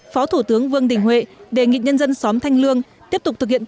phó thủ tướng vương đình huệ đề nghị nhân dân xóm thanh lương tiếp tục thực hiện